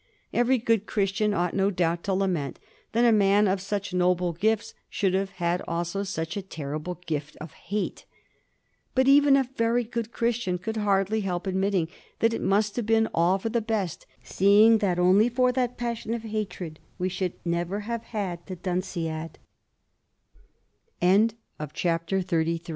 Every good Christian ought no doubt to lament that a man of such noble gifts should have had also such a terrible gift of hate. But even a very good Christian could hardly help admitting that it must have been all for the best, seeing that only for that passion of hatred we